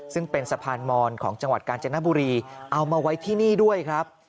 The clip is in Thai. ซึ่งเป็นสะพานมอนของจังหวัดกาญจนบุรีเอามาไว้ที่นี่ด้วยครับ